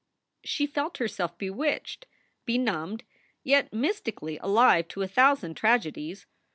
She felt herself bewitched, benumbed, yet mystically alive to a thousand tragedies.